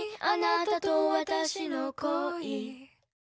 「あなたと私の恋」